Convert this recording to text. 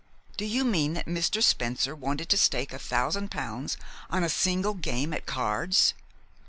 "Do you mean that Mr. Spencer wanted to stake a thousand pounds on a single game at cards?"